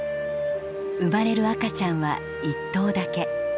生まれる赤ちゃんは１頭だけ。